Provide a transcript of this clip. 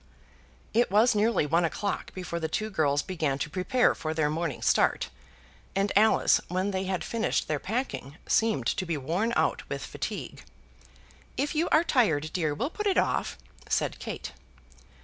It was nearly one o'clock before the two girls began to prepare for their morning start, and Alice, when they had finished their packing, seemed to be worn out with fatigue. "If you are tired, dear, we'll put it off," said Kate.